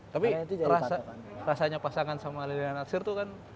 tapi rasanya pasangan sama lilian nasir tuh kan